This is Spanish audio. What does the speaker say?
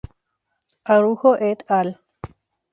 Araújo "et al.